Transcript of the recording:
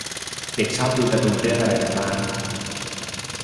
เด็กชอบการ์ตูนเรื่องอะไรกันบ้าง